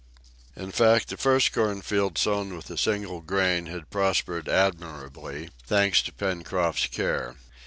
In fact, the first corn field sown with a single grain had prospered admirably, thanks to Pencroft's care.